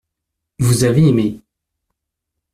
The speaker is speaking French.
Vous avez aimé.